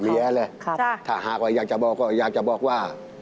เมียเลยถ้าอยากจะบอกก็อยากจะบอกว่า